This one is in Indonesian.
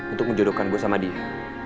untuk menjodohkan gue sama dia